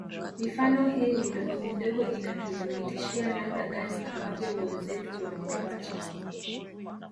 Mifano hii midogo midogo inatuthibitishia namna gani ambavyo wenzetu wametuacha